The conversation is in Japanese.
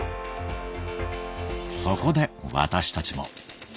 そこで私たちも。